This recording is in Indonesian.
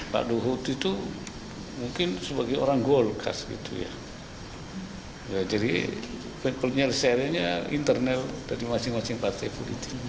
pak luhut itu mungkin sebagai orang golkar jadi penyelesaiannya internal dari masing masing partai